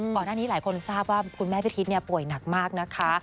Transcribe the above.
ก่อนหน้านี้หลายคนทราบว่าคุณแม่พิทิศป่วยหนักมากนะคะ